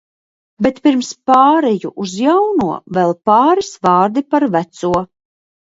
Bet pirms pārēju uz jauno vēl pāris vārdi par veco.